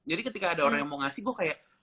jadi ketika ada orang yang mau ngasih gue kayak